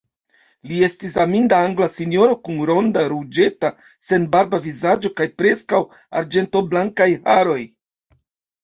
Li estis aminda angla sinjoro kun ronda, ruĝeta, senbarba vizaĝo kaj preskaŭ arĝentoblankaj haroj.